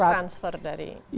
harus di transfer dari timur